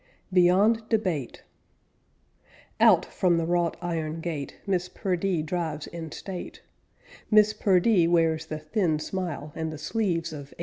BEYOND DEBATE Out from the wrought iron gate Miss Perdee drives in state; Miss Perdee wears the thin smile And the sleeves of 1888.